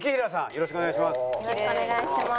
よろしくお願いします。